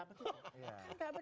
gak benar gitu